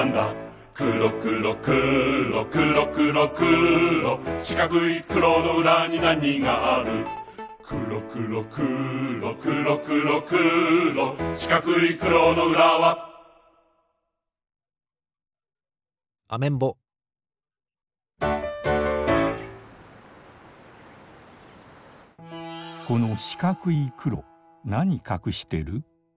くろくろくろくろくろくろしかくいくろのうらになにがあるくろくろくろくろくろくろしかくいくろのうらはアメンボこのしかくいくろなにかくしてる？